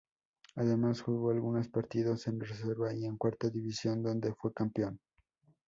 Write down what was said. Además, jugó algunos partidos en reserva y en cuarta división donde fue campeón.